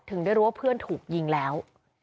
ได้รู้ว่าเพื่อนถูกยิงแล้ว